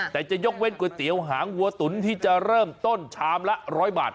แต่จะยกเว้นก๋วยเตี๋ยวหางวัวตุ๋นที่จะเริ่มต้นชามละ๑๐๐บาท